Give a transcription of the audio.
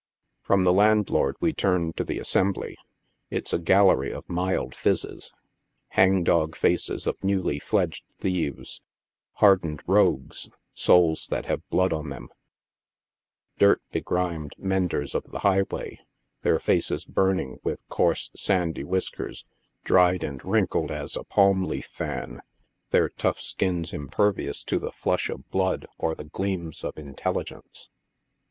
From the landlord we turn to the assembly. It's a gallery of mild phizes. Hang dog faces of newly fledged thieves ; hardened rogues ; souls that have blood on them ; d.rt begrimed menders of the highway, their faces burning with coarse, sandy whiskers, dried and wrinkled as a palm leaf fan, their tough skins impervious to the 22 NIGHT SIDE OF NEW YORK. flush of blood or the gleams of intelligence.